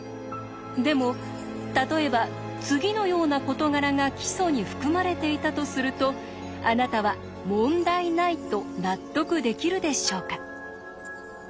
でも例えば次のような事柄が基礎に含まれていたとするとあなたは問題ないと納得できるでしょうか？